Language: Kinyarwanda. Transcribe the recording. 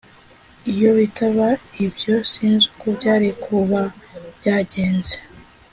yobitaba ibyo sinzuko byarikubabyagenze